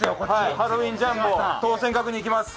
ハロウィンジャンボ当選確認いきます。